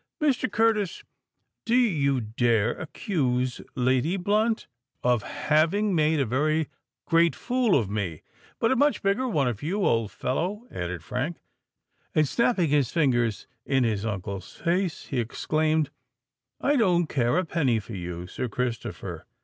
"Mr. Curtis, do you dare to accuse Lady Blunt——" "Of having made a very great fool of me, but a much bigger one of you, old fellow," added Frank; and, snapping his fingers in his uncle's face, he exclaimed, "I don't care a penny for you, Sir Christopher!